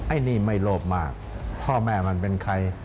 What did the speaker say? อันนี้ไม่โลภมากพ่อแม่มันเป็นใคร